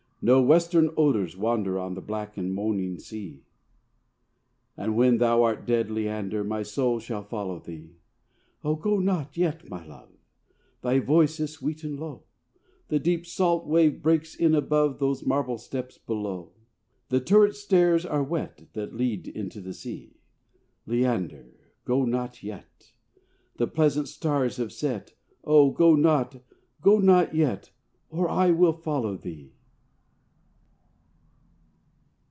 No western odours wander On the black and moaning sea, And when thou art dead, Leander, My soul shall follow thee! Oh go not yet, my love, Thy voice is sweet and low; The deep salt wave breaks in above Those marble steps below. The turretstairs are wet That lead into the sea. Leander! go not yet. The pleasant stars have set! Oh! go not, go not yet, Or I will follow thee.